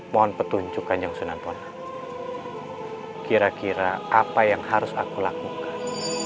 mohon petunjukkan kanjeng sunanbona kira kira apa yang harus aku lakukan